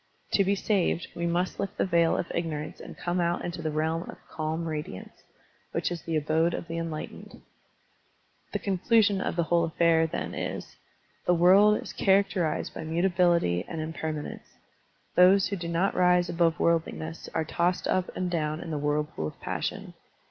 To be saved, we must lift the veil of ignorance and come out into the realm of "calm radiance/' which is the abode of the enlightened. . The conclusion of the whole affair, then, is: The world is characterized by mutability and impermanence ; those who do not rise above worldliness are tossed up and down in the whirl pool of passion.